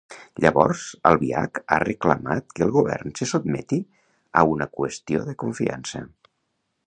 Llavors, Albiach ha reclamat que el Govern se sotmeti a una qüestió de confiança.